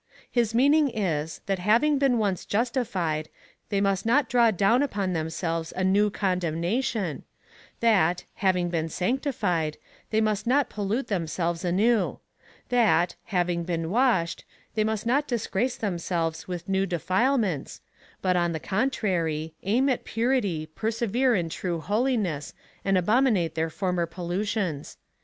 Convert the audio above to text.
His meaning is, that having been once justified, they must not draAv down upon themslves a new condemnation — that, having been sanctified, they must not pollute themselves anew — that, having been washed, they must not disgrace themselves with new defilements, but, on the contrary, aim at purity, perse vere in true holiness, and abominate their former pollutions.